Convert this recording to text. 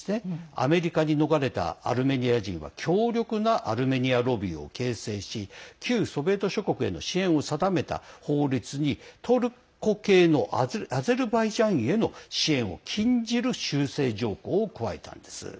アメリカに逃れたアルメニア人が強力なアルメニアロビーを形成し旧ソビエト諸国への支援を定めた法律にトルコ系のアゼルバイジャンへの支援を禁じる修正条項を加えたんです。